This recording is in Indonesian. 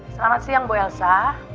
selamat siang bu elsa